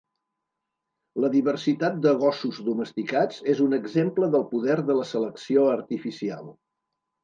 La diversitat de gossos domesticats és un exemple del poder de la selecció artificial.